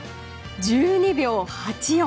１２秒８４。